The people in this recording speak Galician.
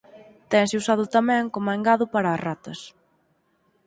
Tense usado tamén coma engado para as ratas.